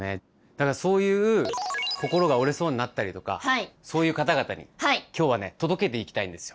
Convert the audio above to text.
だからそういう心が折れそうになったりとかそういう方々に今日はね届けていきたいんですよ。